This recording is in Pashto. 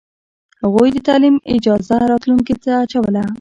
هغوی د تعلیم اجازه راتلونکې ته اچوله.